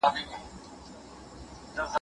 علامه رشاد یو متفکر وو چې فکر یې لا هم تازه دی.